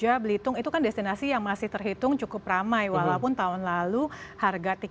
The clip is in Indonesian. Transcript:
iya bali jogja belitung itu kan destinasi yang masih terhitung cukup ramai walaupun tahun lalu harga harga masih tinggi